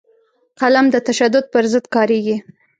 قلم د تشدد پر ضد کارېږي